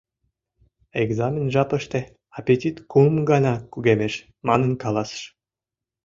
«Экзамен жапыште аппетит кум гана кугемеш» манын каласыш.